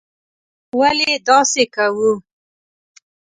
ولې داسې کوو.